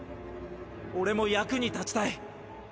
俺も役に立ちたい。